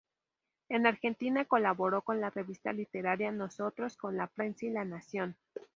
En Argentina colaboró con la revista literaria "Nosotros," con "La Prensa" y "La Nación.